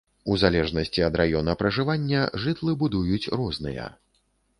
У залежнасці ад раёна пражывання жытлы будуюць розныя.